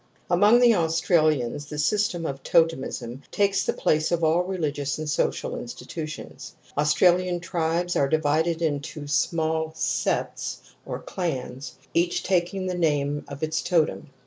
Among the Australians the system of Totem ism takes the place of all religious and social stitutions. Australian tribes are divided into smaller septs or clans, each taking the name of its totem.